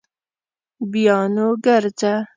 بیا نو ګرځه